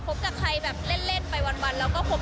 กับใครแบบเล่นไปวันแล้วก็คบ